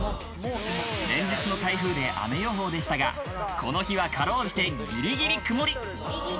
連日の台風で雨予報でしたが、この日は辛うじてぎりぎり曇り。